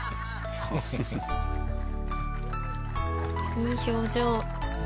いい表情。